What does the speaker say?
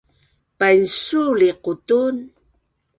painsul i qutun